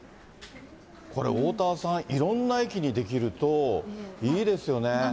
これおおたわさん、いろんな駅にできるといいですよね。